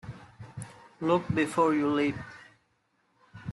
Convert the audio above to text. Look before you leap.